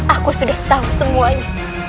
aku sudah tahu semuanya